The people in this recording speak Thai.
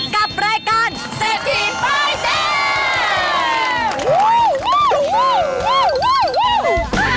กับรายการเซฟทีไฟแซม